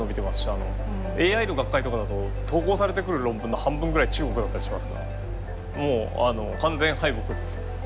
ＡＩの学会とかだと投稿されてくる論文の半分ぐらい中国だったりしますからもう完全敗北です。